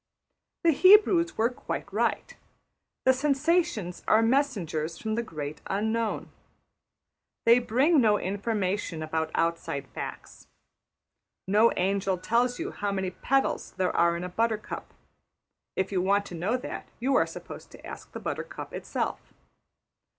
The Hebrews were quite right. The sensations are messengers from the Great Unknown. They bring no information about outside facts. No angel tells you how many petals there are in a buttercup; if you want to know that, you are supposed to ask the buttercup itself.